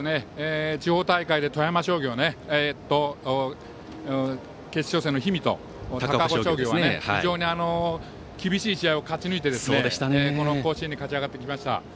地方大会で高岡商業は決勝戦の氷見と非常に厳しい試合を勝ち抜いて甲子園に勝ち上がってきました。